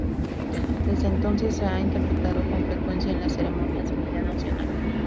Desde entonces se ha interpretado con frecuencia en las ceremonias del Día Nacional.